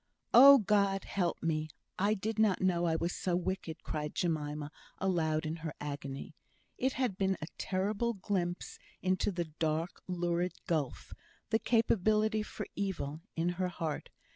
"Oh, God! help me! I did not know I was so wicked," cried Jemima aloud in her agony. It had been a terrible glimpse into the dark, lurid gulf the capability for evil, in her heart.